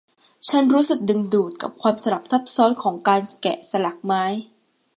ฉันรู้สึกดึงดูดกับความสลับซับซ้อนของการแกะสลักไม้